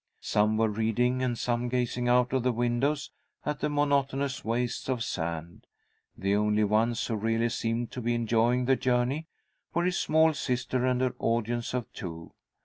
Some were reading, and some gazing out of the windows at the monotonous wastes of sand. The only ones who really seemed to be enjoying the journey were his small sister and her audience of two.